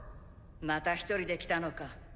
また一人で来たのか。